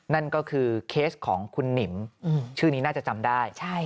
นั่นก็คือเคสของคุณหนิมชื่อนี้น่าจะจำได้